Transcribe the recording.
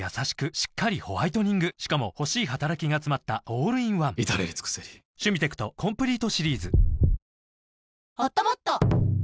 しっかりホワイトニングしかも欲しい働きがつまったオールインワン至れり尽せり今日は家族でキャンプです。